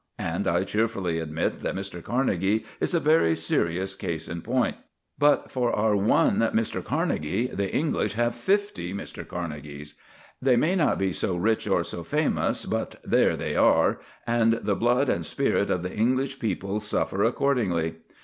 And I cheerfully admit that Mr. Carnegie is a very serious case in point. But for our one Mr. Carnegie, the English have fifty Mr. Carnegies. They may not be so rich or so famous; but there they are, and the blood and spirit of the English people suffer accordingly.